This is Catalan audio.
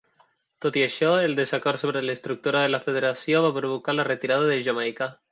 Tot i això, el desacord sobre l'estructura de la federació va provocar la retirada de Jamaica.